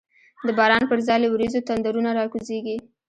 د باران پر ځای له وریځو، تندرونه راکوزیږی